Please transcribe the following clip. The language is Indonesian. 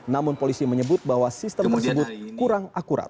namun polisi menyebut bahwa sistem tersebut kurang akurat